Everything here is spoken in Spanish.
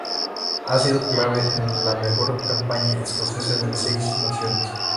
Ha sido clave en la mejor campaña escocesa en el Seis Naciones.